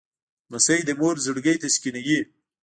لمسی د مور زړګی تسکینوي.